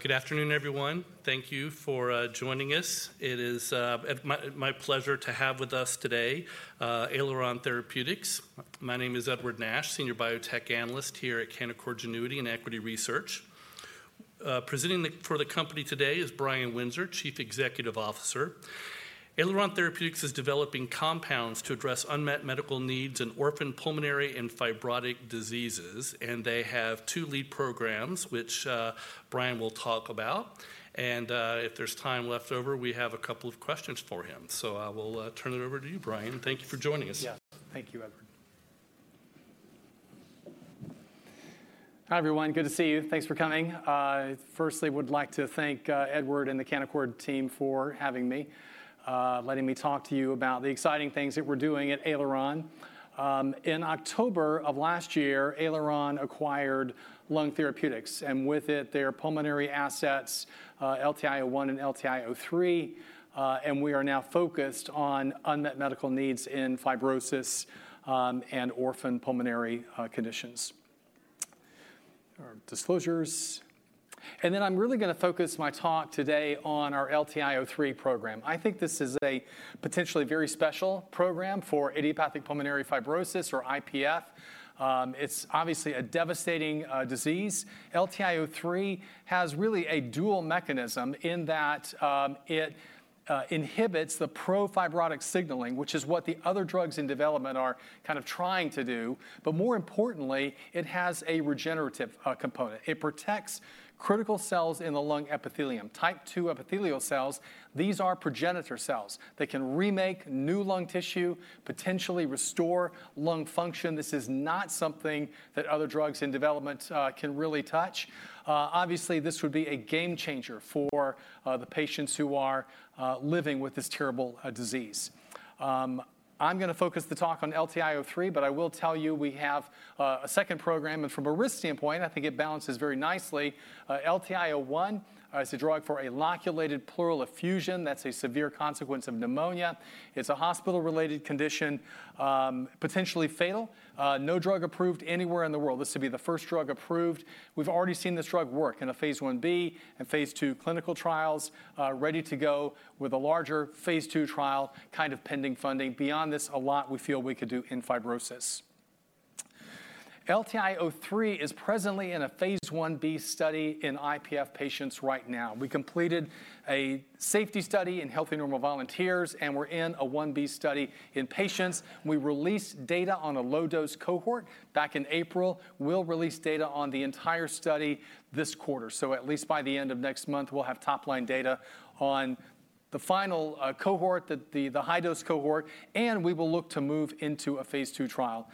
Good afternoon, everyone. Thank you for joining us. It is at my pleasure to have with us today Aileron Therapeutics. My name is Edward Nash, senior biotech analyst here at Canaccord Genuity and Equity Research. Presenting for the company today is Brian Windsor, Chief Executive Officer. Aileron Therapeutics is developing compounds to address unmet medical needs in orphan pulmonary and fibrotic diseases, and they have two lead programs, which Brian will talk about. If there's time left over, we have a couple of questions for him. I will turn it over to you, Brian. Thank you for joining us. Yes. Thank you, Edward. Hi, everyone. Good to see you. Thanks for coming. Firstly, would like to thank Edward and the Canaccord team for having me, letting me talk to you about the exciting things that we're doing at Aileron. In October of last year, Aileron acquired Lung Therapeutics, and with it, their pulmonary assets, LTI-01 and LTI-03, and we are now focused on unmet medical needs in fibrosis, and orphan pulmonary, conditions. Our disclosures. Then I'm really going to focus my talk today on our LTI-03 program. I think this is a potentially very special program for idiopathic pulmonary fibrosis or IPF. It's obviously a devastating, disease. LTI-03 has really a dual mechanism in that, it inhibits the pro-fibrotic signaling, which is what the other drugs in development are kind of trying to do, but more importantly, it has a regenerative component. It protects critical cells in the lung epithelium, type II epithelial cells. These are progenitor cells that can remake new lung tissue, potentially restore lung function. This is not something that other drugs in development can really touch. Obviously, this would be a game changer for the patients who are living with this terrible disease. I'm going to focus the talk on LTI-03, but I will tell you, we have a second program, and from a risk standpoint, I think it balances very nicely. LTI-01 is a drug for a loculated pleural effusion. That's a severe consequence of pneumonia. It's a hospital-related condition, potentially fatal, no drug approved anywhere in the world. This would be the first drug approved. We've already seen this drug work in a phase IIb and phase II clinical trials, ready to go with a larger phase II trial, kind of pending funding. Beyond this, a lot we feel we could do in fibrosis. LTI-03 is presently in a phase IIb study in IPF patients right now. We completed a safety study in healthy, normal volunteers, and we're in a phase Ib study in patients. We released data on a low-dose cohort back in April. We'll release data on the entire study this quarter. So at least by the end of next month, we'll have top-line data on the final cohort, the high-dose cohort, and we will look to move into a phase II trial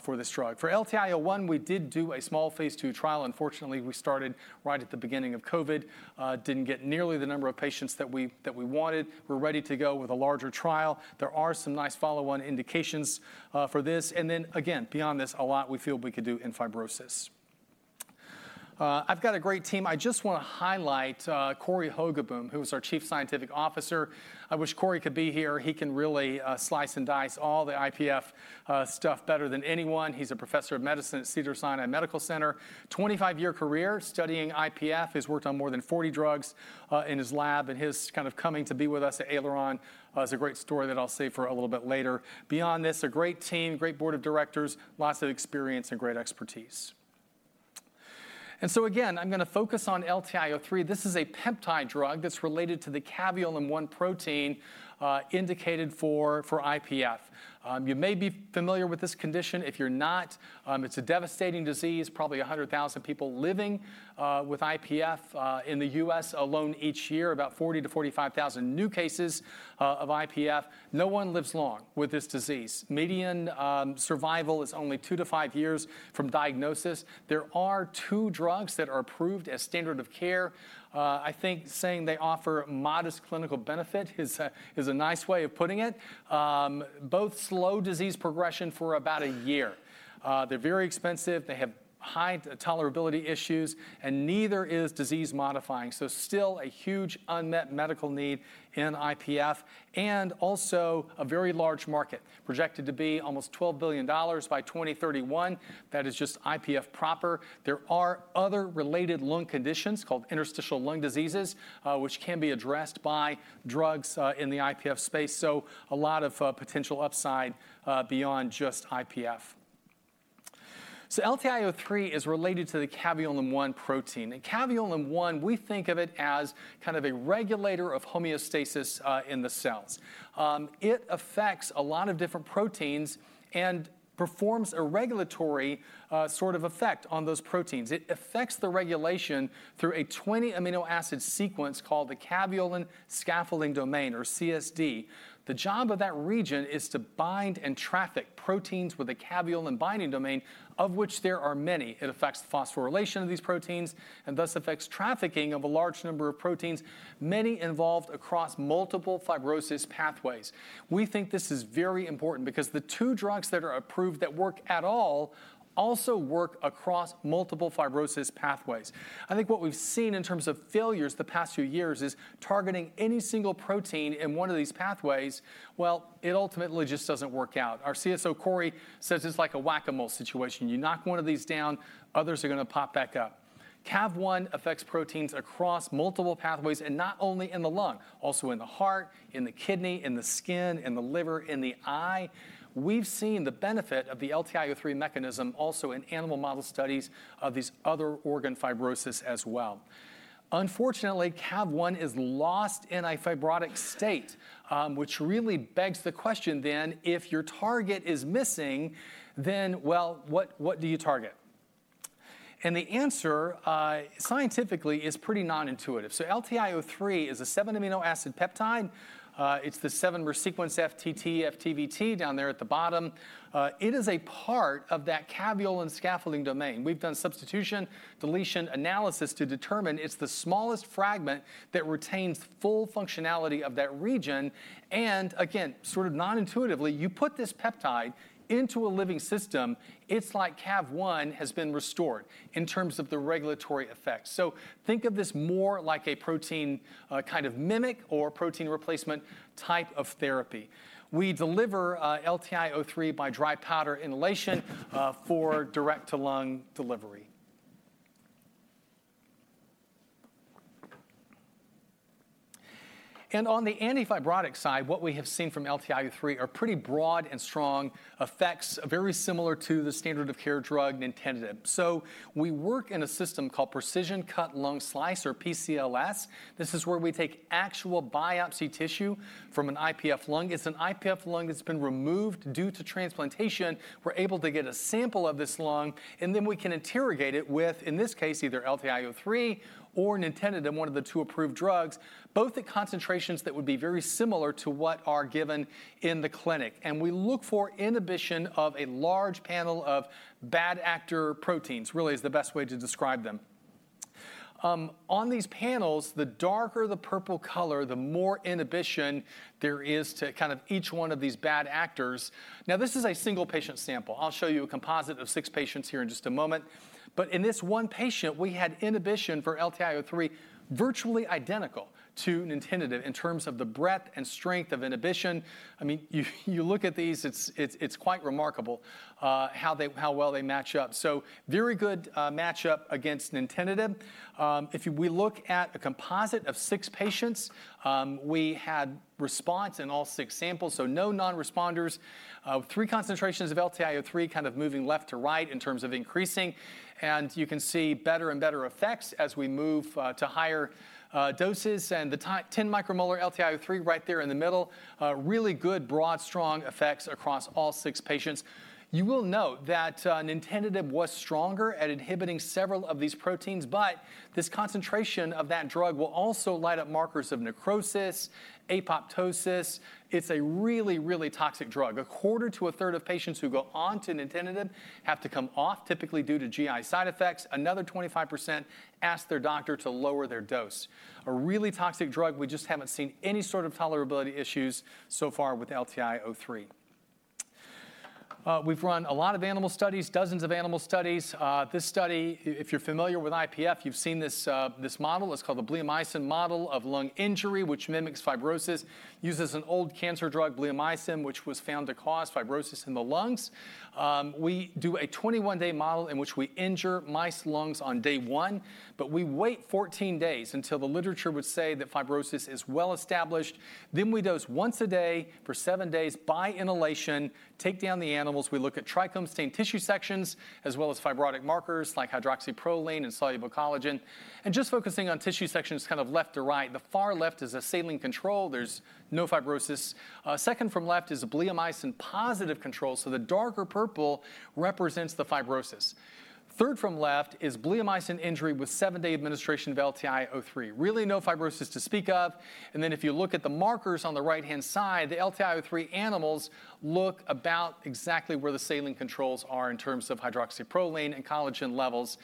for this drug. For LTI-01, we did do a small phase II trial. Unfortunately, we started right at the beginning of COVID, didn't get nearly the number of patients that we, that we wanted. We're ready to go with a larger trial. There are some nice follow-on indications, for this. And then again, beyond this, a lot we feel we could do in fibrosis. I've got a great team. I just want to highlight, Cory Hogaboam, who is our Chief Scientific Officer. I wish Cory could be here. He can really, slice and dice all the IPF, stuff better than anyone. He's a professor of medicine at Cedars-Sinai Medical Center. 25-year career studying IPF. He's worked on more than 40 drugs in his lab, and his kind of coming to be with us at Aileron is a great story that I'll save for a little bit later. Beyond this, a great team, great board of directors, lots of experience, and great expertise. So again, I'm going to focus on LTI-03. This is a peptide drug that's related to the caveolin-1 protein indicated for IPF. You may be familiar with this condition. If you're not, it's a devastating disease, probably 100,000 people living with IPF in the U.S. alone each year, about 40-45,000 new cases of IPF. No one lives long with this disease. Median survival is only 2-5 years from diagnosis. There are two drugs that are approved as standard of care. I think saying they offer modest clinical benefit is a nice way of putting it. Both slow disease progression for about a year. They're very expensive, they have high tolerability issues, and neither is disease-modifying, so still a huge unmet medical need in IPF and also a very large market, projected to be almost $12 billion by 2031. That is just IPF proper. There are other related lung conditions called interstitial lung diseases, which can be addressed by drugs in the IPF space, so a lot of potential upside beyond just IPF. So LTI-03 is related to the Caveolin-1 protein, and Caveolin-1, we think of it as kind of a regulator of homeostasis in the cells. It affects a lot of different proteins and performs a regulatory sort of effect on those proteins. It affects the regulation through a 20-amino acid sequence called the Caveolin Scaffolding Domain or CSD. The job of that region is to bind and traffic proteins with a caveolin binding domain, of which there are many. It affects the phosphorylation of these proteins and thus affects trafficking of a large number of proteins, many involved across multiple fibrosis pathways. We think this is very important because the two drugs that are approved that work at all also work across multiple fibrosis pathways. I think what we've seen in terms of failures the past few years is targeting any single protein in one of these pathways, well, it ultimately just doesn't work out. Our CSO, Cory, says it's like a whack-a-mole situation. You knock one of these down, others are going to pop back up. CAV1 affects proteins across multiple pathways, and not only in the lung, also in the heart, in the kidney, in the skin, in the liver, in the eye. We've seen the benefit of the LTI-03 mechanism also in animal model studies of these other organ fibrosis as well. Unfortunately, CAV1 is lost in a fibrotic state, which really begs the question then: if your target is missing, then, well, what, what do you target? And the answer, scientifically is pretty non-intuitive. So LTI-03 is a seven amino acid peptide. It's the seven-mer sequence FTTFTVT down there at the bottom. It is a part of that caveolin scaffolding domain. We've done substitution, deletion analysis to determine it's the smallest fragment that retains full functionality of that region, and again, sort of non-intuitively, you put this peptide into a living system, it's like CAV1 has been restored in terms of the regulatory effects. So think of this more like a protein, kind of mimic or protein replacement type of therapy. We deliver LTI-03 by dry powder inhalation for direct-to-lung delivery. And on the anti-fibrotic side, what we have seen from LTI-03 are pretty broad and strong effects, very similar to the standard of care drug, nintedanib. So we work in a system called Precision Cut Lung Slice, or PCLS. This is where we take actual biopsy tissue from an IPF lung. It's an IPF lung that's been removed due to transplantation. We're able to get a sample of this lung, and then we can interrogate it with, in this case, either LTI-03 or nintedanib, one of the two approved drugs, both at concentrations that would be very similar to what are given in the clinic. And we look for inhibition of a large panel of bad actor proteins, really is the best way to describe them. On these panels, the darker the purple color, the more inhibition there is to kind of each one of these bad actors. Now, this is a single patient sample. I'll show you a composite of six patients here in just a moment. But in this one patient, we had inhibition for LTI-03, virtually identical to nintedanib in terms of the breadth and strength of inhibition. I mean, you look at these, it's quite remarkable how well they match up. So very good match-up against nintedanib. We look at a composite of 6 patients, we had response in all 6 samples, so no non-responders. 3 concentrations of LTI-03 kind of moving left to right in terms of increasing, and you can see better and better effects as we move to higher doses. And the 10 micromolar LTI-03 right there in the middle, really good, broad, strong effects across all 6 patients. You will note that nintedanib was stronger at inhibiting several of these proteins, but this concentration of that drug will also light up markers of necrosis, apoptosis. It's a really, really toxic drug. A quarter to a third of patients who go on to nintedanib have to come off, typically due to GI side effects. Another 25% ask their doctor to lower their dose. A really toxic drug, we just haven't seen any sort of tolerability issues so far with LTI-03. We've run a lot of animal studies, dozens of animal studies. This study, if you're familiar with IPF, you've seen this, this model. It's called the bleomycin model of lung injury, which mimics fibrosis, uses an old cancer drug, bleomycin, which was found to cause fibrosis in the lungs. We do a 21-day model in which we injure mice lungs on day 1, but we wait 14 days until the literature would say that fibrosis is well established. Then we dose once a day for 7 days by inhalation, take down the animals. We look at trichrome stained tissue sections, as well as fibrotic markers like hydroxyproline and soluble collagen. Just focusing on tissue sections kind of left to right, the far left is a saline control, there's no fibrosis. Second from left is a bleomycin positive control, so the darker purple represents the fibrosis. Third from left is bleomycin injury with seven-day administration of LTI-03. Really no fibrosis to speak of, and then if you look at the markers on the right-hand side, the LTI-03 animals look about exactly where the saline controls are in terms of hydroxyproline and collagen levels.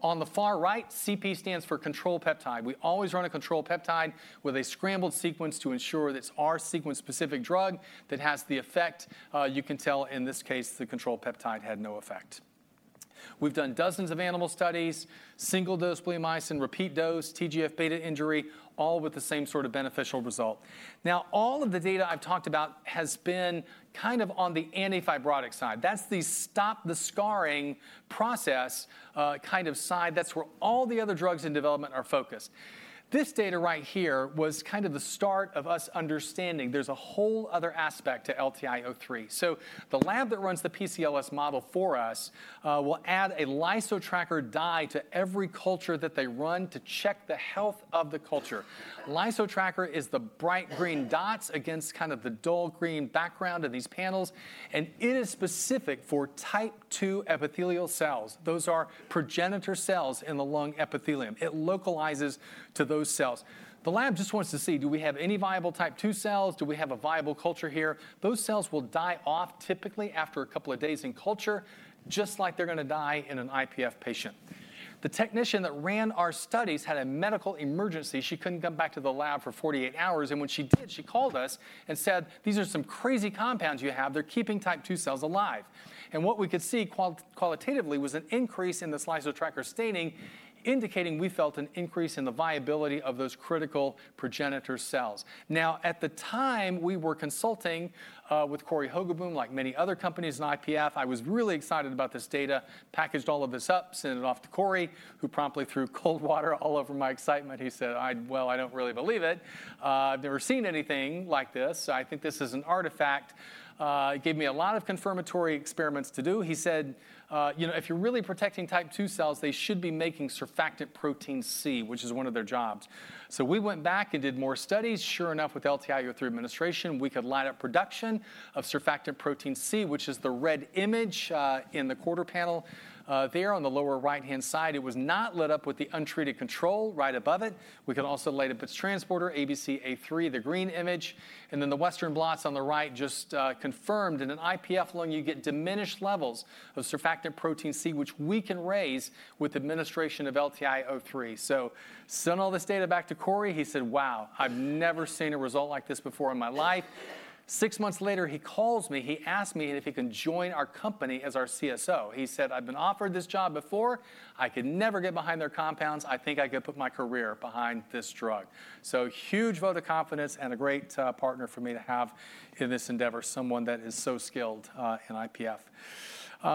On the far right, CP stands for control peptide. We always run a control peptide with a scrambled sequence to ensure that it's our sequence-specific drug that has the effect. You can tell in this case, the control peptide had no effect. We've done dozens of animal studies, single-dose bleomycin, repeat dose, TGF-beta injury, all with the same sort of beneficial result. Now, all of the data I've talked about has been kind of on the anti-fibrotic side. That's the stop the scarring process, kind of side. That's where all the other drugs in development are focused. This data right here was kind of the start of us understanding there's a whole other aspect to LTI-03. So the lab that runs the PCLS model for us will add a LysoTracker dye to every culture that they run to check the health of the culture. LysoTracker is the bright green dots against kind of the dull green background of these panels, and it is specific for type II epithelial cells. Those are progenitor cells in the lung epithelium. It localizes to those cells. The lab just wants to see, do we have any viable type II cells? Do we have a viable culture here? Those cells will die off typically after a couple of days in culture, just like they're gonna die in an IPF patient. The technician that ran our studies had a medical emergency. She couldn't come back to the lab for 48 hours, and when she did, she called us and said, "These are some crazy compounds you have. They're keeping type two cells alive." And what we could see qualitatively was an increase in the LysoTracker staining, indicating we felt an increase in the viability of those critical progenitor cells. Now, at the time, we were consulting with Cory Hogaboam, like many other companies in IPF. I was really excited about this data, packaged all of this up, sent it off to Cory, who promptly threw cold water all over my excitement. He said, "Well, I don't really believe it. I've never seen anything like this, so I think this is an artifact." He gave me a lot of confirmatory experiments to do. He said, "You know, if you're really protecting type two cells, they should be making Surfactant Protein C, which is one of their jobs." So we went back and did more studies. Sure enough, with LTI-03 administration, we could light up production of Surfactant Protein C, which is the red image in the quarter panel there on the lower right-hand side. It was not lit up with the untreated control right above it. We could also light up its transporter, ABCA3, the green image, and then the Western blots on the right just confirmed. In an IPF lung, you get diminished levels of surfactant protein C, which we can raise with administration of LTI-03. So sent all this data back to Cory. He said, "Wow! I've never seen a result like this before in my life." Six months later, he calls me. He asked me if he can join our company as our CSO. He said, "I've been offered this job before. I could never get behind their compounds. I think I could put my career behind this drug." So huge vote of confidence and a great partner for me to have in this endeavor, someone that is so skilled in IPF.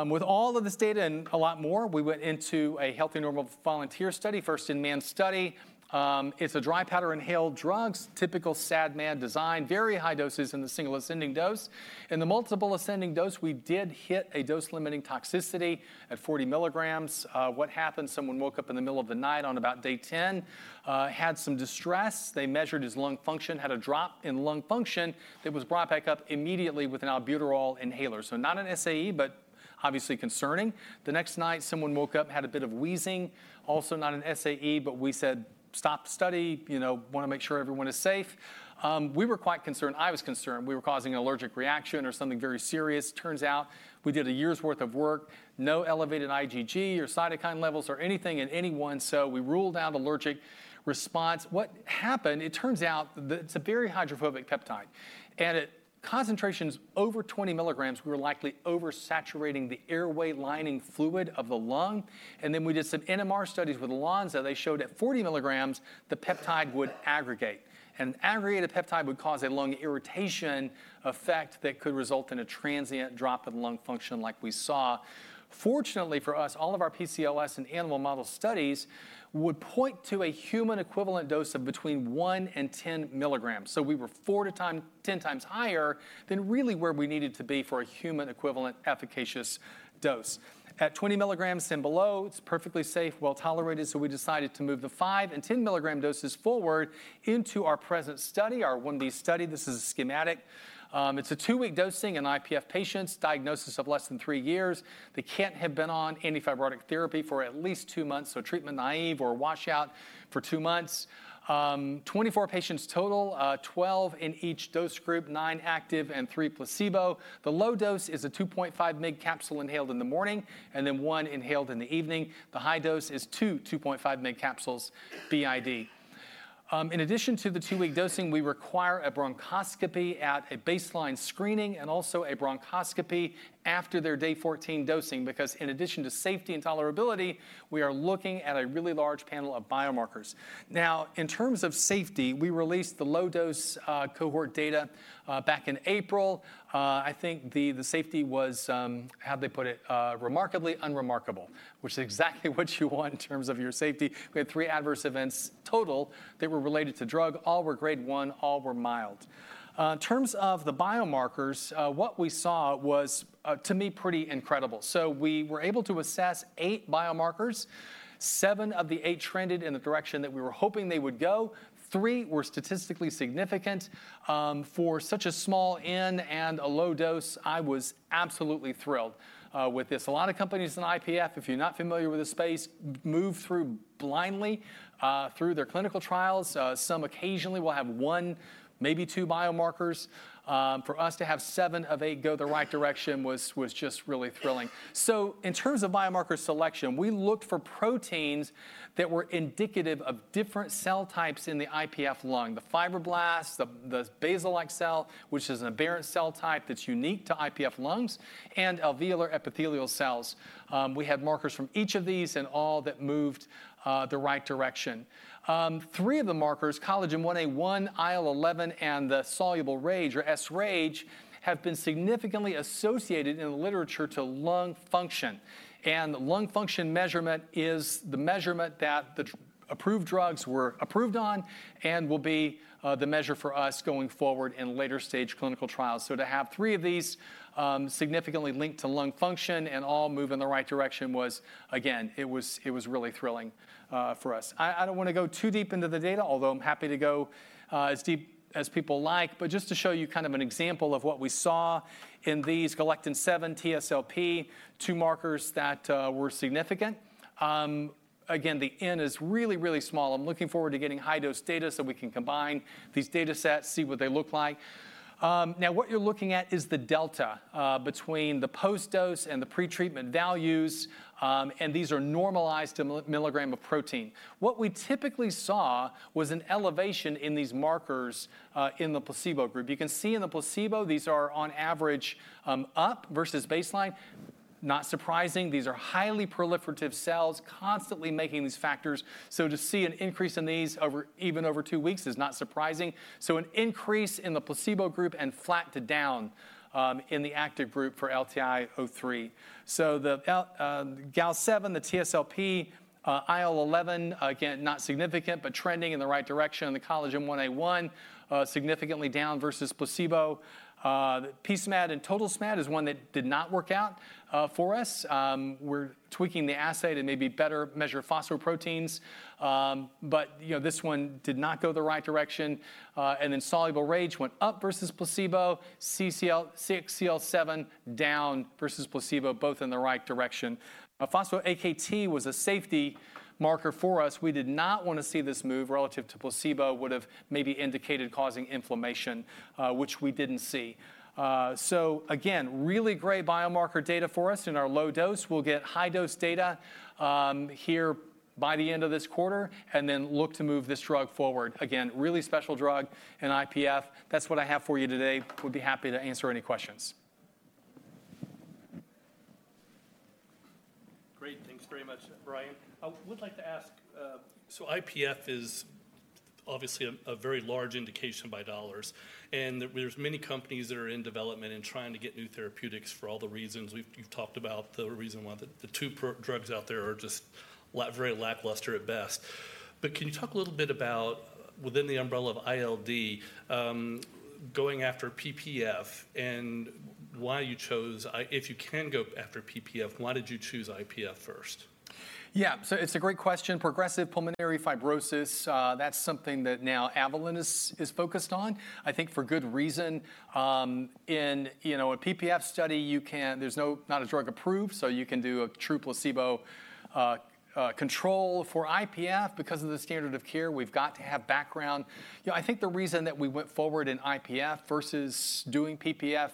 With all of this data and a lot more, we went into a healthy, normal volunteer study, first in man study. It's a dry powder, inhaled drugs, typical SAD/MAD design, very high doses in the single ascending dose. In the multiple ascending dose, we did hit a dose-limiting toxicity at 40 milligrams. What happened? Someone woke up in the middle of the night on about day 10, had some distress. They measured his lung function, had a drop in lung function that was brought back up immediately with an albuterol inhaler. So not an SAE, but obviously concerning. The next night, someone woke up, had a bit of wheezing, also not an SAE, but we said, "Stop the study," you know, "Wanna make sure everyone is safe." We were quite concerned. I was concerned we were causing an allergic reaction or something very serious. Turns out we did a year's worth of work, no elevated IgG or cytokine levels or anything in anyone, so we ruled out allergic response. What happened? It turns out that it's a very hydrophobic peptide, and at concentrations over 20 milligrams, we were likely oversaturating the airway lining fluid of the lung. Then we did some NMR studies with Lonza. They showed at 40 milligrams, the peptide would aggregate, and aggregated peptide would cause a lung irritation effect that could result in a transient drop in lung function like we saw. Fortunately for us, all of our PCLS and animal model studies would point to a human equivalent dose of between 1-10 milligrams. We were 4-10 times higher than really where we needed to be for a human equivalent, efficacious dose. At 20 milligrams and below, it's perfectly safe, well-tolerated, so we decided to move the 5 and 10 milligram doses forward into our present study, our 1B study. This is a schematic. It's a 2-week dosing in IPF patients, diagnosis of less than 3 years. They can't have been on antifibrotic therapy for at least 2 months, so treatment-naïve or washout for 2 months. 24 patients total, 12 in each dose group, 9 active, and 3 placebo. The low dose is a 2.5 mg capsule inhaled in the morning, and then 1 inhaled in the evening. The high dose is two 2.5 mg capsules BID. In addition to the 2-week dosing, we require a bronchoscopy at a baseline screening and also a bronchoscopy after their day 14 dosing, because in addition to safety and tolerability, we are looking at a really large panel of biomarkers. Now, in terms of safety, we released the low dose cohort data back in April. I think the safety was How'd they put it? Remarkably unremarkable, which is exactly what you want in terms of your safety. We had 3 adverse events total that were related to drug. All were grade 1, all were mild. In terms of the biomarkers, what we saw was, to me, pretty incredible. So we were able to assess 8 biomarkers. 7 of the 8 trended in the direction that we were hoping they would go. 3 were statistically significant. For such a small N and a low dose, I was absolutely thrilled with this. A lot of companies in IPF, if you're not familiar with this space, move through blindly through their clinical trials. Some occasionally will have one, maybe two biomarkers. For us to have seven of eight go the right direction was just really thrilling. So in terms of biomarker selection, we looked for proteins that were indicative of different cell types in the IPF lung: the fibroblasts, the basal-like cell, which is an aberrant cell type that's unique to IPF lungs, and alveolar epithelial cells. We had markers from each of these and all that moved the right direction. Three of the markers, collagen 1A1, IL-11, and the soluble RAGE, or sRAGE, have been significantly associated in the literature to lung function. Lung function measurement is the measurement that the approved drugs were approved on and will be the measure for us going forward in later stage clinical trials. So to have three of these significantly linked to lung function and all move in the right direction was, again, it was really thrilling for us. I don't wanna go too deep into the data, although I'm happy to go as deep as people like. But just to show you kind of an example of what we saw in these Galectin-7, TSLP, two markers that were significant, again, the N is really, really small. I'm looking forward to getting high-dose data so we can combine these datasets, see what they look like. Now what you're looking at is the delta between the post-dose and the pre-treatment values, and these are normalized to milligram of protein. What we typically saw was an elevation in these markers in the placebo group. You can see in the placebo, these are on average up versus baseline. Not surprising, these are highly proliferative cells, constantly making these factors. So to see an increase in these over even over two weeks is not surprising. So an increase in the placebo group and flat to down in the active group for LTI-03. So the gal-7, the TSLP, IL11, again, not significant, but trending in the right direction, and the collagen 1A1, significantly down versus placebo. p-SMAD and total SMAD is one that did not work out for us. We're tweaking the assay to maybe better measure phosphoproteins. But, you know, this one did not go the right direction. And then soluble RAGE went up versus placebo, CCL, CXCL7 down versus placebo, both in the right direction. Phospho-AKT was a safety marker for us. We did not wanna see this move relative to placebo, would've maybe indicated causing inflammation, which we didn't see. So again, really great biomarker data for us in our low dose. We'll get high-dose data here by the end of this quarter, and then look to move this drug forward. Again, really special drug in IPF. That's what I have for you today. Would be happy to answer any questions. Great. Thanks very much, Brian. I would like to ask, so IPF is obviously a very large indication by dollars, and there's many companies that are in development and trying to get new therapeutics for all the reasons you've talked about, the reason why the two drugs out there are just very lackluster at best. But can you talk a little bit about within the umbrella of ILD, going after PPF and why you chose if you can go after PPF, why did you choose IPF first? Yeah, so it's a great question. Progressive pulmonary fibrosis, that's something that now Avalyn is focused on, I think for good reason. In, you know, a PPF study, you can there's no drug approved, so you can do a true placebo control. For IPF, because of the standard of care, we've got to have background. You know, I think the reason that we went forward in IPF versus doing PPF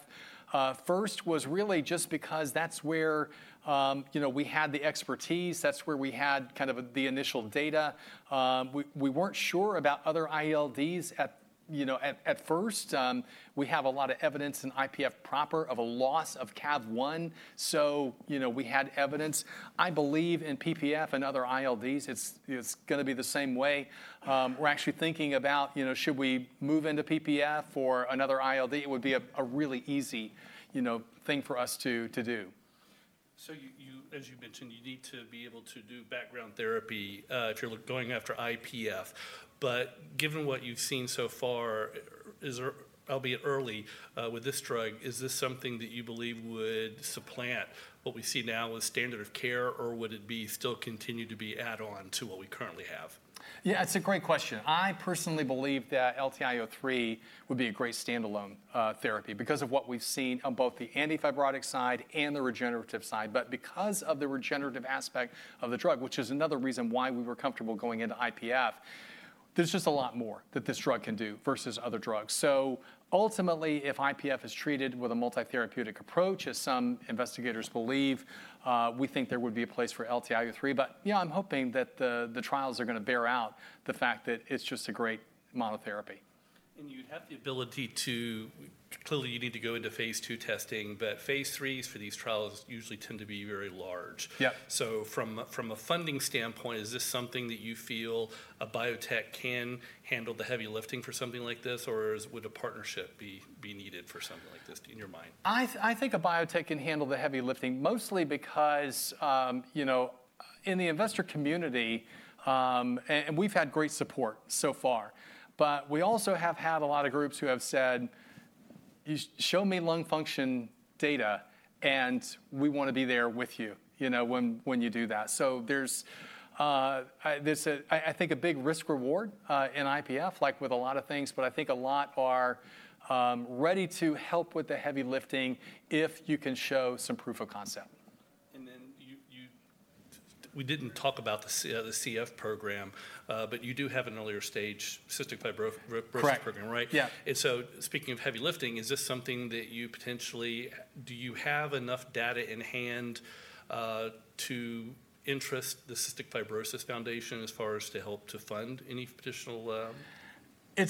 first was really just because that's where, you know, we had the expertise, that's where we had kind of the initial data. We weren't sure about other ILDs at first. We have a lot of evidence in IPF proper of a loss of CAV-1, so, you know, we had evidence. I believe in PPF and other ILDs, it's gonna be the same way. We're actually thinking about, you know, should we move into PPF or another ILD? It would be a really, you know, thing for us to do. So you, as you mentioned, you need to be able to do background therapy, if you're going after IPF. But given what you've seen so far, is there, albeit early, with this drug, is this something that you believe would supplant what we see now as standard of care, or would it be still continue to be add on to what we currently have? Yeah, it's a great question. I personally believe that LTI-03 would be a great standalone therapy because of what we've seen on both the antifibrotic side and the regenerative side. But because of the regenerative aspect of the drug, which is another reason why we were comfortable going into IPF, there's just a lot more that this drug can do versus other drugs. So ultimately, if IPF is treated with a multi-therapeutic approach, as some investigators believe, we think there would be a place for LTI-03. But yeah, I'm hoping that the trials are gonna bear out the fact that it's just a great monotherapy. You'd have the ability to clearly, you need to go into phase II testing, but phase III's for these trials usually tend to be very large. Yeah. So from a funding standpoint, is this something that you feel a biotech can handle the heavy lifting for something like this, or would a partnership be needed for something like this in your mind? I think a biotech can handle the heavy lifting, mostly because, you know, in the investor community, and we've had great support so far, but we also have had a lot of groups who have said, "You show me lung function data, and we wanna be there with you, you know, when you do that." So there's a big risk reward in IPF, like with a lot of things, but I think a lot are ready to help with the heavy lifting if you can show some proof of concept. And then we didn't talk about the CF program, but you do have an earlier stage cystic fibro- Correct fibrosis program, right? Yeah. And so speaking of heavy lifting, is this something that you potentially, do you have enough data in hand to interest the Cystic Fibrosis Foundation as far as to help to fund any additional progress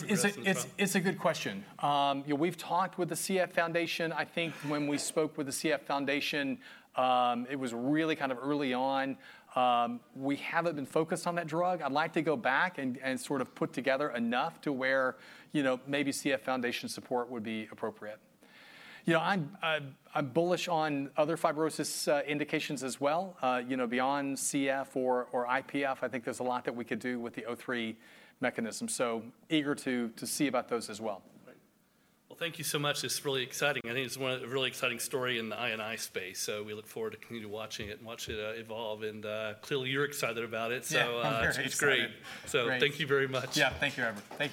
as well? It's a good question. Yeah, we've talked with the CF Foundation. I think when we spoke with the CF Foundation, it was really kind of early on. We haven't been focused on that drug. I'd like to go back and sort of put together enough to where, you know, maybe CF Foundation support would be appropriate. You know, I'm bullish on other fibrosis indications as well. You know, beyond CF or IPF, I think there's a lot that we could do with the 03 mechanism. So eager to see about those as well. Great. Well, thank you so much. It's really exciting. I think it's one of a really exciting story in the IPF space, so we look forward to continue watching it and watch it, evolve. And, clearly, you're excited about it. Yeah, I'm very excited. It's great. Great. Thank you very much. Yeah. Thank you, Edward. Thank you.